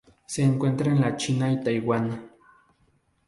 Se encuentra en la China y Taiwán.